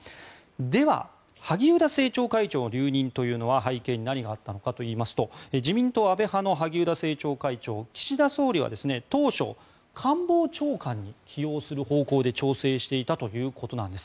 では、萩生田政調会長の留任というのは背景に何があったのかといいますと自民党安倍派の萩生田政調会長岸田総理は当初官房長官に起用する方向で調整していたということです。